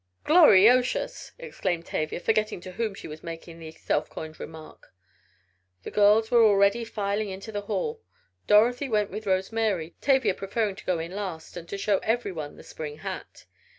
"Gloriotious!" exclaimed Tavia, forgetting to whom she was making the self coined remark. The girls were already filing into the hall. Dorothy went with Rose Mary, Tavia preferring to go in last and so show everyone the spring hat.